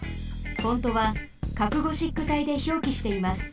フォントは角ゴシック体でひょうきしています。